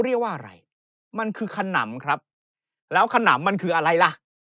เรียกว่าอะไรมันคือขนำครับแล้วขนำมันคืออะไรล่ะ